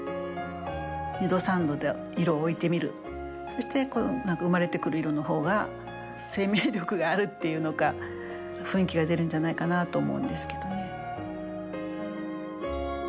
そして生まれてくる色の方が生命力があるっていうのか雰囲気が出るんじゃないかなと思うんですけどね。